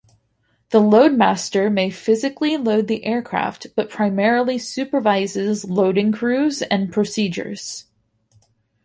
The loadmaster may physically load the aircraft, but primarily supervises loading crews and procedures.